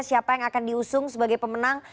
siapa yang akan diusung sebagai pemenang